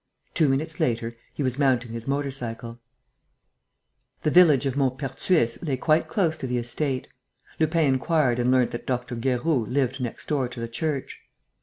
Two minutes later, he was mounting his motor cycle. The village of Maupertuis lay quite close to the estate. Lupin inquired and learnt that Dr. Guéroult lived next door to the church.